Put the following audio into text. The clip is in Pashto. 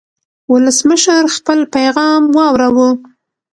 ولسمشر خپل پیغام واوراوه.